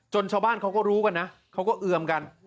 ชาวบ้านเขาก็รู้กันนะเขาก็เอือมกัน